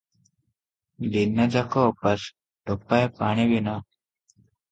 ଦିନ ଯାକ ଓପାସ – ଟୋପାଏ ପାଣି ବି ନା ।